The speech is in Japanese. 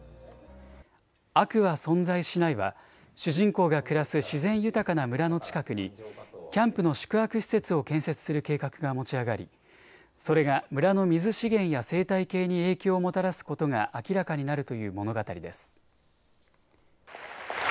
悪は存在しないは主人公が暮らす自然豊かな村の近くにキャンプの宿泊施設を建設する計画が持ち上がり、それが村の水資源や生態系に影響をもたらすことが明らかになるという物語です。